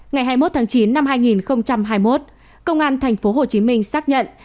ngày hai mươi một tháng chín năm hai nghìn hai mươi một công an tp hcm xác nhận